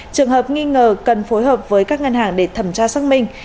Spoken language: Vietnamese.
trường hợp nghi ngờ cần phối hợp với các ngân hàng để thẩm tra xác minh